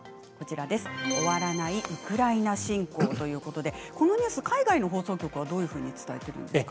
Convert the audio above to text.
終わらないウクライナ侵攻ということでこのニュース、海外の放送局はどういうふうに伝えているんですか。